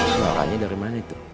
suaranya dari mana itu